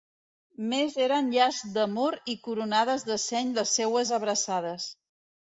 Més eren llaç d’amor i coronades de seny les seues abraçades.